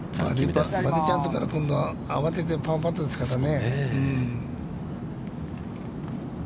バーディーチャンスから今度は慌ててパーパットですからね。